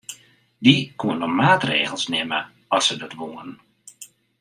Dy koenen dan maatregels nimme at se dat woenen.